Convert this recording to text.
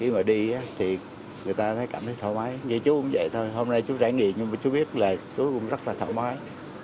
như chú cũng vậy thôi hôm nay chú rãi nghị nhưng chú biết là chú cũng rất là thoải mái